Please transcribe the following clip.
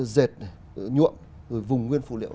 dệt nhuộm vùng nguyên phụ liệu